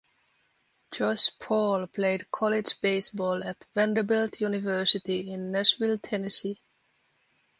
Josh Paul played college baseball at Vanderbilt University in Nashville, Tennessee.